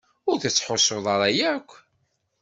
Ur tettḥussuḍ ara yakk.